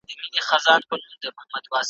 پر اروا مي بد شګون دی نازوه مي ,